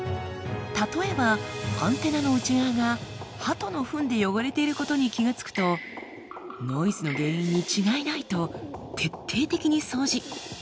例えばアンテナの内側がハトのふんで汚れていることに気が付くとノイズの原因に違いないと徹底的に掃除。